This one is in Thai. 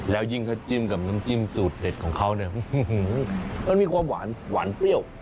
แล้วยิ่งถ้าจิ้มกับน้ำจิ้มสูตรเด็ดของเขาเนี่ยมันมีความหวานหวานเปรี้ยว